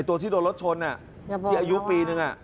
ตัวที่โดนรถชนที่อายุปีนึง